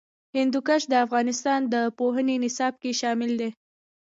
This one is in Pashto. هندوکش د افغانستان د پوهنې نصاب کې شامل دي.